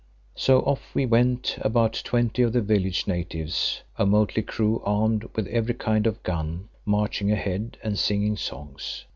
So off we went, about twenty of the village natives, a motley crew armed with every kind of gun, marching ahead and singing songs.